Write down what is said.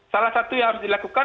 salah satu yang harus dilakukan